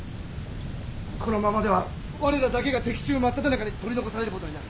このままでは我らだけが敵中真っただ中に取り残されることになる。